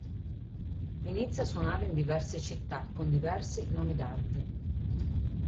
Inizia a suonare in diverse città con diversi nomi d'arte.